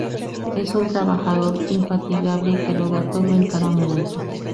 Es un trabajador infatigable que lo da todo en cada momento.